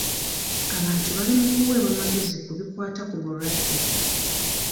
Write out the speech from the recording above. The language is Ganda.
Abantu bali mu kuweebwa magezi ku bikwata ku bulwadde.